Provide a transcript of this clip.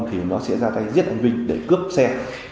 thì nó sẽ ra tay giết anh vinh để cướp xe